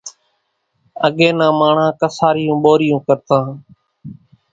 اڳيَ نان ماڻۿان ڪسارِيوُن ٻورِيون ڪرتان۔